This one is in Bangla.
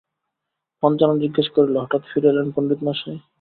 পঞ্চানন জিজ্ঞাস করিল, হঠাৎ ফিরে এলেন পণ্ডিত মশায়?